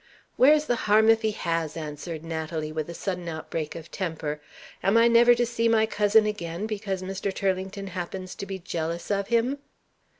"Where is the harm if he has?" answered Natalie, with a sudden outbreak of temper. "Am I never to see my cousin again, because Mr. Turlington happens to be jealous of him?"